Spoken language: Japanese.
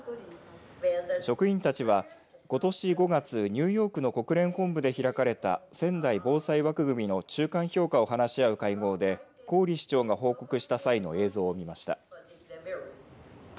職員たちはことし５月ニューヨークの国連本部で開かれた仙台防災枠組の中間評価を話し合う会合で郡市長が報告した際の映像を見ました。